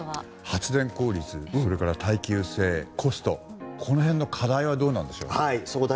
発電効率、それから耐久性コスト、この辺の課題はどうですか？